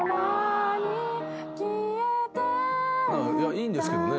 いいんですけどね。